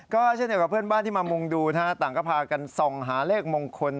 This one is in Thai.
ก็เช่นเดียวกับเพื่อนบ้านที่มามุงดูนะฮะต่างก็พากันส่องหาเลขมงคล